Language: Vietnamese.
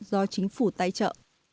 do chính phủ tài trợ